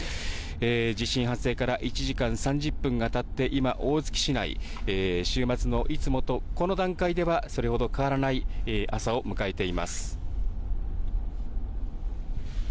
地震発生から１時間３０分がたって今、大月市内、週末のいつもと、この段階ではそれほど変わらない朝を迎えています。